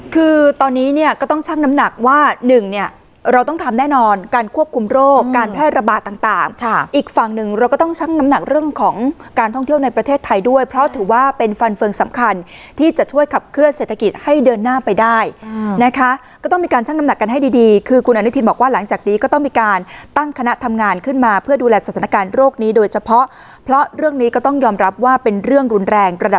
คือตอนนี้เนี่ยก็ต้องช่างน้ำหนักว่าหนึ่งเนี่ยเราต้องทำแน่นอนการควบคุมโรคการแพร่ระบาดต่างอีกฝั่งหนึ่งเราก็ต้องช่างน้ำหนักเรื่องของการท่องเที่ยวในประเทศไทยด้วยเพราะถือว่าเป็นฟันเฟิงสำคัญที่จะช่วยขับเคลื่อนเศรษฐกิจให้เดินหน้าไปได้นะคะก็ต้องมีการช่างน้ำหนักกันให้ดีคือคุณอั